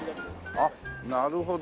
あっなるほど。